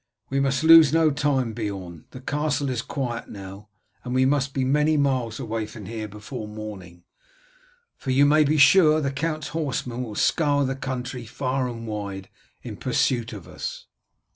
"We must lose no time, Beorn. The castle is quiet now, and we must be many miles away from here before morning, for you may be sure the count's horsemen will scour the country far and wide in pursuit of us."